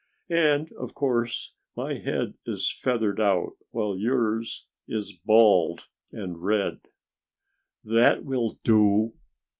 And of course my head is feathered out, while yours is bald and red." "That will do!"